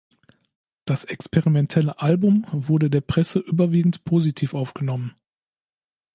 Das experimentelle Album wurde der Presse überwiegend positiv aufgenommen.